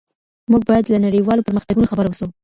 موږ بايد له نړيوالو پرمختګونو خبر اوسو.